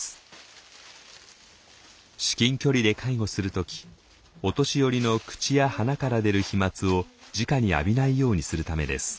至近距離で介護する時お年寄りの口や鼻から出る飛沫をじかに浴びないようにするためです。